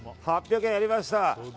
８００円やりました。